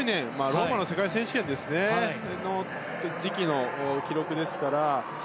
ローマの世界選手権の時の記録ですから。